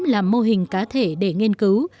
làm mô hình cá thể để nghiên cứu